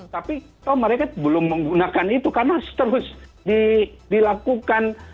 tapi mereka belum menggunakan itu karena terus dilakukan